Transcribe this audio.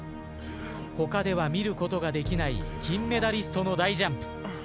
他では見ることができない金メダリストの大ジャンプ。